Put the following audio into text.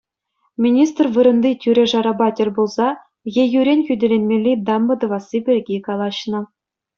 Министр вырӑнти тӳре-шарапа тӗл пулса ейӳрен хӳтӗленмелли дамба тӑвасси пирки калаҫнӑ.